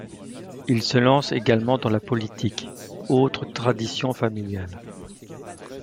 Il se lance également dans la politique, autre tradition familiale.